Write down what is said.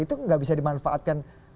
itu gak bisa dimanfaatkan